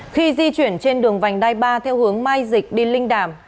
khi di chuyển trên đường vành đai ba theo hướng mai dịch đi linh đàm